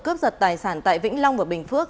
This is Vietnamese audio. cướp giật tài sản tại vĩnh long và bình phước